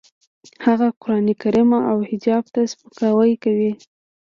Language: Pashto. هغه قرانکریم او حجاب ته سپکاوی کوي